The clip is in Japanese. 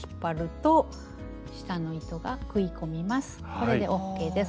これでＯＫです。